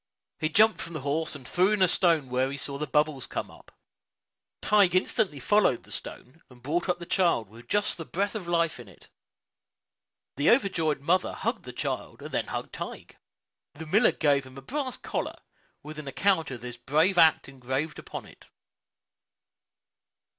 He jumped from the horse, and threw in a stone where he saw the bubbles come up. Tige instantly followed the stone, and brought up the child with just the breath of life in it. The overjoyed mother hugged the child, and then hugged Tige. The miller gave him a brass collar, with an account of this brave act engraved upon it.